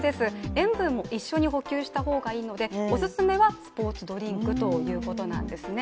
塩分を一緒に補給した方がいいのでおすすめは、スポーツドリンクということなんですね。